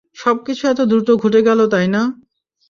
সবকিছু এতো দ্রুত ঘটে গেলো, তাই না?